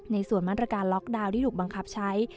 ในส่วนมาตรการล็อกดาวน์ที่ถูกบังคับใช้